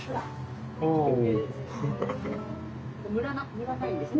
ムラないんですね。